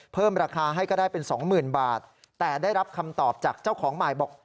เพิ่มราคาให้ก็ได้เป็นสองหมื่นบาทแต่ได้รับคำตอบจากเจ้าของใหม่บอก